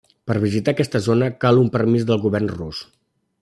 Per visitar aquesta zona cal un permís del govern rus.